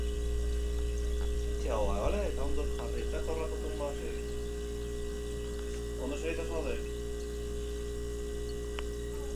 Batez ere aukera horiek aprobetxatzen dituzte lapurrek telefonoak harrapatzeko.